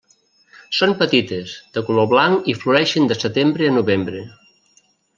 Són petites, de color blanc i floreixen de Setembre a Novembre.